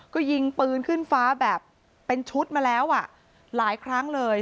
ก็ยิงปืนขึ้นฟ้าแบบเป็นชุดมาแล้วอ่ะหลายครั้งเลย